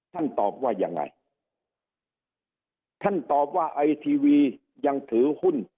ตอบว่ายังไงท่านตอบว่าไอทีวียังถือหุ้น